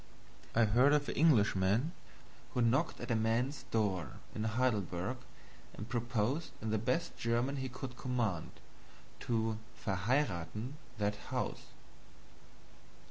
I heard of an Englishman who knocked at a man's door in Heidelberg and proposed, in the best German he could command, to "verheirathen" that house.